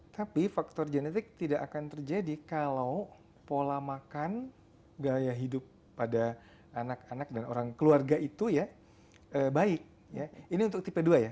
tapi faktor genetik tidak akan terjadi kalau pola makan gaya hidup pada anak anak dan orang keluarga itu ya baik ini untuk tipe dua ya